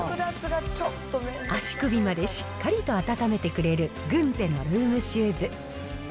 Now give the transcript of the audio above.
足首までしっかりと暖めてくれる、グンゼのルームシューズ。